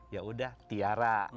ya udah tiara